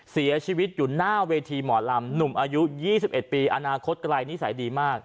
เสียชีวิตอยู่หน้าเวทีหมอลำหนุ่มอายุ๒๑ปีอนาคตไกลนิสัยดีมาก